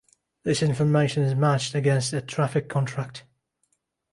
This information is matched against a traffic contract.